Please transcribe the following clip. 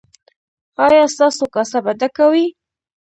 ایا ستاسو کاسه به ډکه وي؟